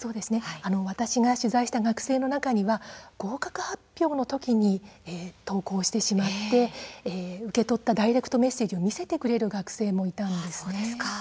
私が取材した学生の中には合格発表の時に投稿してしまって受け取ったダイレクトメッセージを見せてくれる学生もいたんですね。